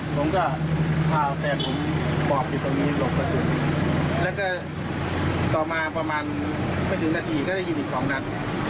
ผมก็พาแฟนผมหมอบอยู่ตรงนี้หลบกระสุนแล้วก็ต่อมาประมาณไม่ถึงนาทีก็ได้ยินอีกสองนัด